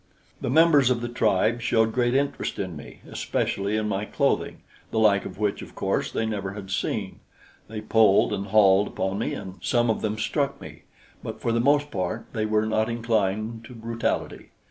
The members of the tribe showed great interest in me, especially in my clothing, the like of which, of course, they never had seen. They pulled and hauled upon me, and some of them struck me; but for the most part they were not inclined to brutality.